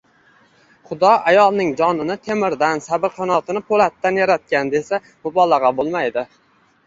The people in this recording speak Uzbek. Xudo ayolning jonini temirdan, sabr-qanoatini pulatdan yaratgan desa, mubolag`a bo`lmaydi